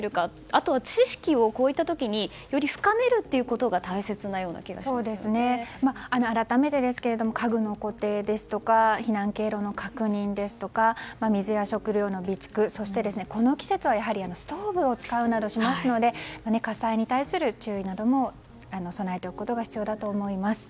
あとは知識をこういった時により深めるということが改めてですけれども家具の固定ですとか避難経路の確認ですとか水や食料の備蓄、そしてこの季節はストーブを使うなどしますので火災に対する注意なども備えておくことが必要だと思います。